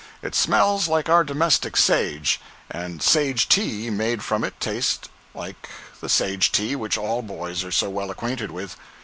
It smells like our domestic sage, and "sage tea" made from it taste like the sage tea which all boys are so well acquainted with.